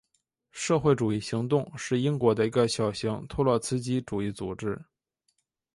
社会主义行动是英国的一个小型托洛茨基主义组织。